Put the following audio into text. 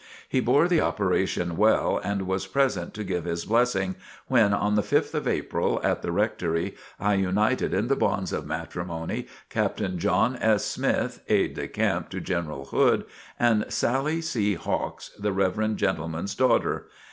He bore the operation well, and was present to give his blessing, when on the 5th of April, at the rectory, I united in the bonds of matrimony, Captain John S. Smith, aide de camp to General Hood, and Sallie C. Hawks, the reverend gentleman's daughter.